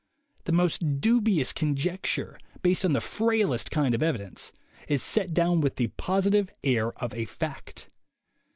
The most dubious conjecture, based on the frailest kind of evidence, is set down with the positive air of a fact.